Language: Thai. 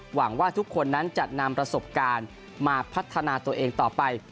หวังว่าทุกคนนั้นจะนำประสบการณ์มาพัฒนาตัวเองต่อไป